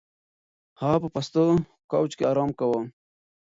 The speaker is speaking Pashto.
هغه په پاسته کوچ کې ارام کاوه.